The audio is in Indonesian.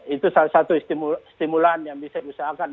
itu salah satu simulan yang bisa disahakan